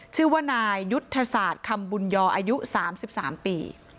ชื่อว่านายยุทธศาสตร์คำบุญยออายุ๓๓ปี